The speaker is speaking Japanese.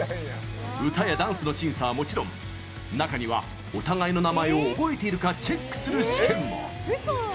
歌やダンスの審査はもちろん中にはお互いの名前を覚えているかチェックする試験も。